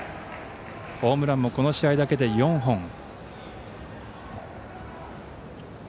ホームランもこの試合だけで４本。